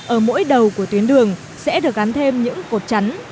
ở mỗi đầu của tuyến đường sẽ được gắn thêm những cột chắn